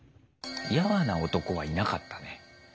やわな男はいなかったね。